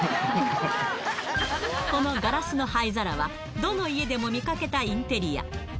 このガラスの灰皿は、どの家でも見かけたインテリア。